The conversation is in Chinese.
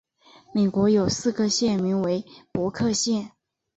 美国有四个县名为伯克县。